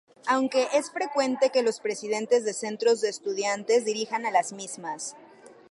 Aunque, es frecuente que los presidentes de Centros de Estudiantes dirijan a las mismas.